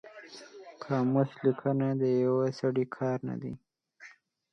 قاموس لیکنه د یو سړي کار نه دی